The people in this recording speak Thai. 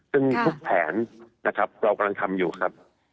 ซึ่งทุกแผนนะครับเรากำลังทำอยู่ครับ